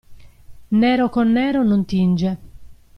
Nero con nero non tinge.